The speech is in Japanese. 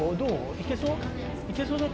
いけそう？